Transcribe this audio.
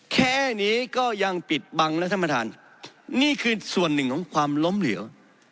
แค่นี้ก็ยังปิดบังนะท่านประธานนี่คือส่วนหนึ่งของความล้มเหลว